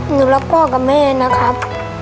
หนูรักพ่อกับแม่นะครับ